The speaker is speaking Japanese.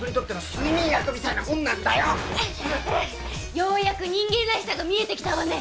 ようやく人間らしさが見えてきたわね！